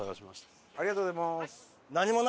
ありがとうございます。